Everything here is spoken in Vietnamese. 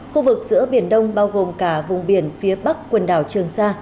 khu vực giữa biển đông bao gồm cả vùng biển phía bắc quần đảo trường sa